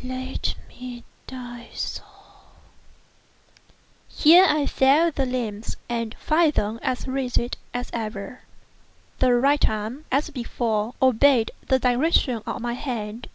—let me die so!" I here felt the limbs and found them as rigid as ever. The right arm, as before, obeyed the direction of my hand.